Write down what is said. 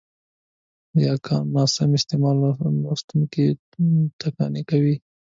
د یاګانو ناسم استعمال لوستوونکی ټکنی کوي،